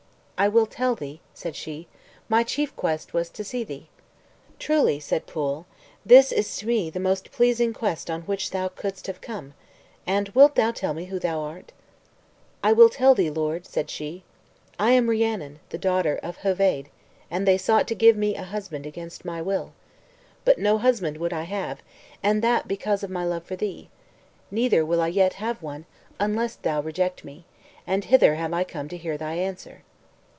"I will tell thee," said she; "my chief quest was to see thee." "Truly," said Pwyll, "this is to me the most pleasing quest on which thou couldst have come; and wilt thou tell me who thou art?" "I will tell thee, lord," said she. "I am Rhiannon, the daughter of Heveydd, and they sought to give me a husband against my will. But no husband would I have, and that because of my love for thee; neither will I yet have one, unless thou reject me; and hither have I come to hear thy answer."